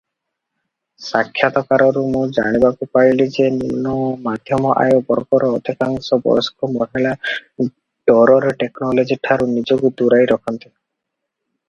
ସାକ୍ଷାତକାରରୁ ମୁଁ ଜାଣିବାକୁ ପାଇଲି ଯେ ନିମ୍ନ ଓ ମଧ୍ୟମ ଆୟ ବର୍ଗର ଅଧିକାଂଶ ବୟସ୍କ ମହିଳା ଡରରେ ଟେକ୍ନୋଲୋଜିଠାରୁ ନିଜକୁ ଦୂରାଇ ରଖନ୍ତି ।